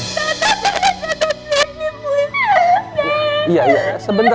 tidak tidak tidak tidak